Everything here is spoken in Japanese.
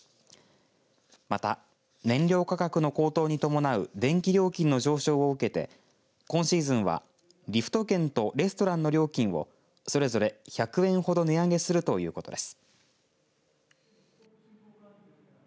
また、燃料価格の高騰に伴う電気料金の上昇を受けて今シーズンはリフト券とレストランの料金をそれぞれ１００円ほど値上げするということです。